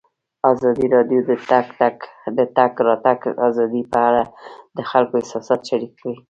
ازادي راډیو د د تګ راتګ ازادي په اړه د خلکو احساسات شریک کړي.